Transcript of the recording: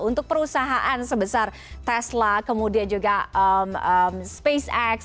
untuk perusahaan sebesar tesla kemudian juga spacex